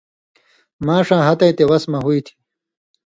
ماݜاں ہتہۡ یی تے وس مہ ہُوئ تھی،